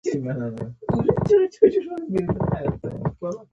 هغه مامور چې لس کاله سابقه ولري.